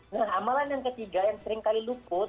nah amalan yang ketiga yang seringkali luput